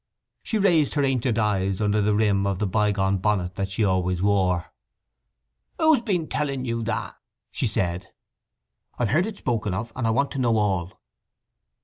She raised her ancient eyes under the rim of the by gone bonnet that she always wore. "Who's been telling you that?" she said. "I have heard it spoken of, and want to know all."